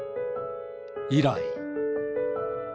以来。